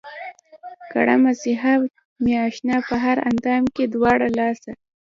کړه مسحه مې اشنا پۀ هر اندام پۀ دواړه لاسه